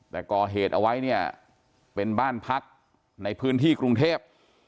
แต่ก่อเหตุเอาไว้เนี่ยเป็นบ้านพักในพื้นที่กรุงเทพ